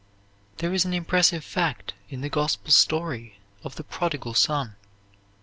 There is an impressive fact in the Gospel story of the Prodigal Son.